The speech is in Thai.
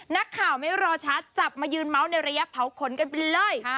นักข่าวไม่รอช้าจับมายืนเมาส์ในระยะเผาขนกันไปเลย